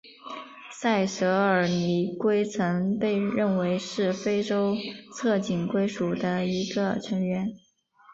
塞舌耳泥龟曾被认为是非洲侧颈龟属的一个成员。